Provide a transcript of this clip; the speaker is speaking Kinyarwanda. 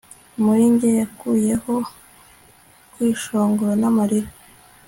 muri njye yakuyeho kwishongora n'amarira